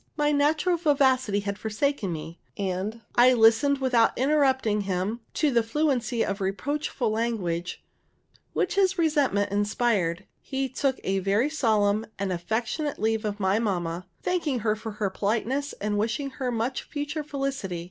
My natural vivacity had forsaken me, and I listened without interrupting him to the fluency of reproachful language which his resentment inspired. He took a very solemn and affectionate leave of my mamma, thanking her for her politeness, and wishing her much future felicity.